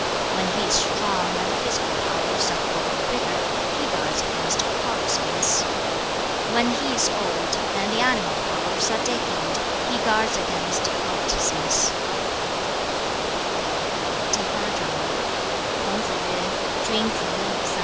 When he is strong and the physical powers are full of vigor, he guards against quarrelsomeness. When he is old, and the animal powers are decayed, he guards against covetousness.'